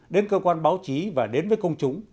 đến cơ quan báo chí và đến với công chúng